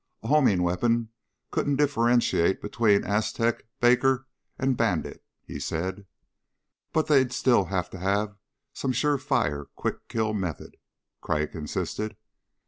"A homing weapon couldn't differentiate between Aztec, Baker and Bandit," he said. "But they'd still have to have some sure fire quick kill method," Crag insisted.